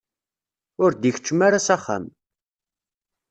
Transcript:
Ur d-ikeččem ara s axxam.